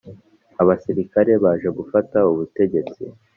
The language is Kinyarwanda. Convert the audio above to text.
abasilikare baje gufata ubutegetsi